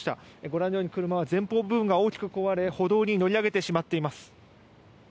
ご覧のように車は前方部分が大きく壊れ歩道に乗り上げてしまっています。